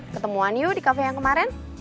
ketemuan yuk di kafe yang kemarin